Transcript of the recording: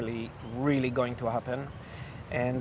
ini benar benar akan terjadi